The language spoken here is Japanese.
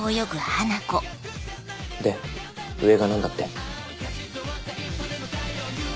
で上が何だって？